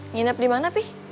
nginep dimana pi